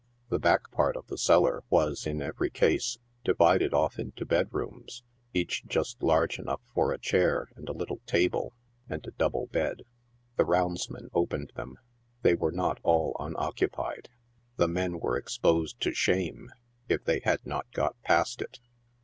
The back part of the cellar was, in every case, divided off into bedrooms, each just large enough for a chair and a little table and a double bed. The roundsman opened them. They were not all unoccupied. The men were exposed to shame, if they had not got past it.